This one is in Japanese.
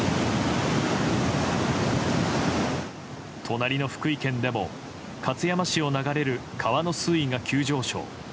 隣の福井県でも勝山市を流れる川の水位が急上昇。